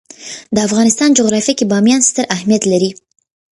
د افغانستان جغرافیه کې بامیان ستر اهمیت لري.